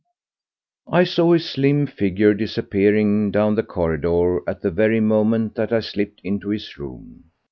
I saw his slim figure disappearing down the corridor at the very moment that I slipped into his room.